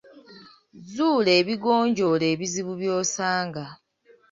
Zuula ebigonjoola ebizibu by'osanga.